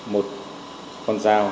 một con dao